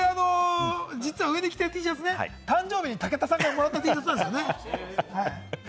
実は上に着ているＴシャツ、誕生日に武田さんからもらったＴシャツです。